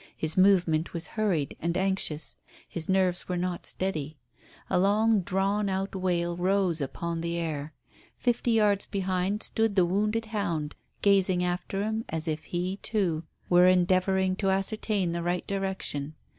His movement was hurried and anxious. His nerves were not steady. A long drawn out wail rose upon the air. Fifty yards behind stood the wounded hound gazing after him as if he, too, were endeavouring to ascertain the right direction.